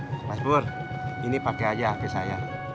mas bur ini pakai aja hp saya